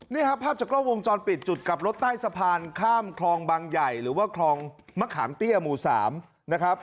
นี่ครับภาพจากกล้องวงจรปิดจุดกลับรถใต้สะพานข้ามคลองบางใหญ่หรือว่าคลองมะขามเตี้ยหมู่๓นะครับ